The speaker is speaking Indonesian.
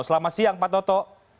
selamat siang pak toto